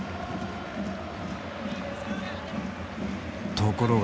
ところが。